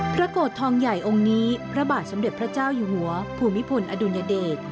โกรธทองใหญ่องค์นี้พระบาทสมเด็จพระเจ้าอยู่หัวภูมิพลอดุลยเดช